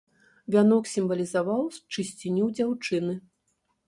Вянок сімвалізаваў чысціню дзяўчыны.